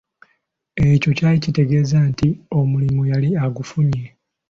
Ekyo kyali kitegeeza nti omulimu yali agufunye.